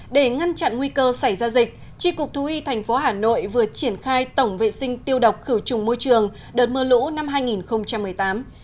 để ngăn chặn nguy cơ xảy ra dịch tri cục thú y thành phố hà nội vừa triển khai tổng vệ sinh tiêu độc khử trùng môi trường đợt mưa lũ năm hai nghìn một mươi tám